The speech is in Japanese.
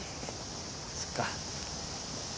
そっか。